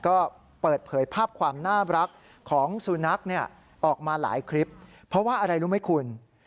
ก็เปิดเผยภาพความน่ารักของสุนัขเนี่ยออกมาหลายคลิปเพราะว่าอะไรรู้ไหมคุณ